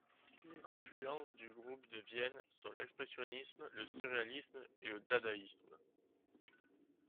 Les influences du Groupe de Vienne sont l'expressionnisme, le surréalisme et le dadaïsme.